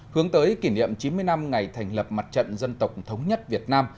hướng tới kỷ niệm chín mươi năm ngày thành lập mặt trận dân tộc thống nhất việt nam